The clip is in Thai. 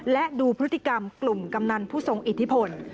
และดูพฤติกรรมกลุ่มกำนันผู้ทรงอิทธิพล